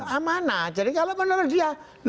amanah jadi kalau menurut dia